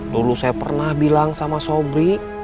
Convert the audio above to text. dulu saya pernah bilang sama sobri